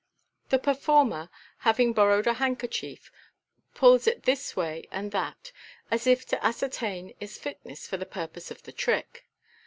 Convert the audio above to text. — The performer, having borrowed a handkerchief, pulls it this way and that, as if to ascertain its fitness for the purpose of the trick.